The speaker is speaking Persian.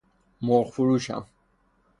مرغ فروشم